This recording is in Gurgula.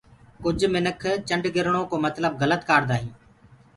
ڪُج منک چنڊگِرڻو ڪو متلب گلت ڪآردآ هينٚ